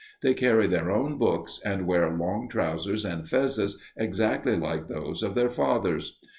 They carry their own books and wear long trousers and fezzes exactly like those of their fathers.